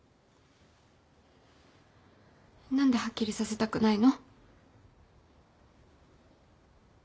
何ではっきりさせたくないの？